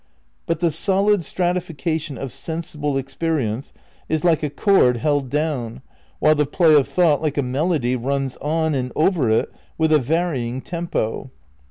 But the solid stratification of sensible ex perience is like a chord held down, while the play of thought, like a melody, runs on and over it with a vary ing tempo.